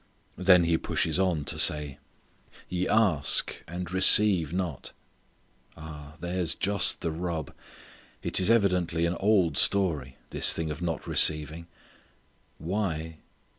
Then he pushes on to say "Ye ask, and receive not" ah! there's just the rub; it is evidently an old story, this thing of not receiving why?